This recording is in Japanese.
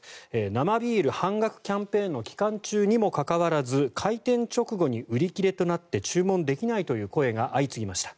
生ビール半額キャンペーンの期間中にもかかわらず開店直後に売り切れとなって注文できないという声が相次ぎました。